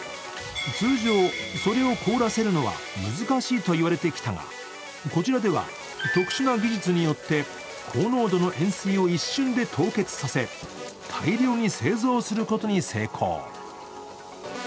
通常、それを凍らせるのは難しいと言われてきたがこちらでは、特殊な技術によって高濃度の塩水を一瞬で凍結させ、大量に製造することに成功。